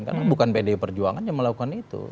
karena bukan pdi perjuangan yang melakukan itu